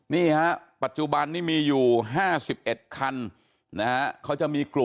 นี่ฮะปัจจุบันนี่มีอยู่๕๑คันนะฮะ